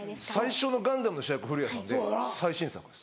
最初の『ガンダム』の主役古谷さんで最新作です。